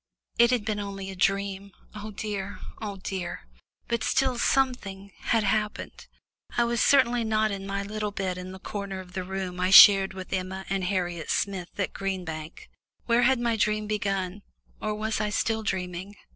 It had been only a dream oh dear, oh dear! But still, something had happened I was certainly not in my little bed in the corner of the room I shared with Emma and Harriet Smith at Green Bank. When had my dream begun, or was I still dreaming?